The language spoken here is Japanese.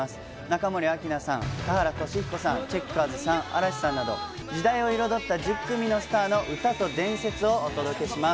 中森明菜さん、田原俊彦さん、チェッカーズさん、嵐さんなど、時代を彩った１０組のスターの伝説をお届けします。